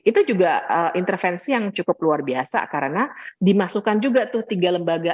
itu juga intervensi yang cukup luar biasa karena dimasukkan juga tuh tiga lembaga